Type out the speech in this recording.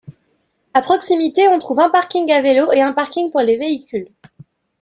À proximité on trouve un parking à vélo et un parking pour les véhicules..